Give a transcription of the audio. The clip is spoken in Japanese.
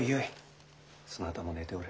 そなたも寝ておれ。